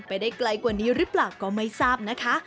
ได้ไกลกว่านี้หรือเปล่าก็ไม่ทราบนะคะ